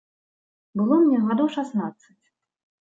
Было мне гадоў шаснаццаць.